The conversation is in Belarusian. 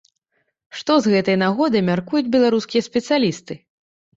Што з гэтай нагоды мяркуюць беларускія спецыялісты?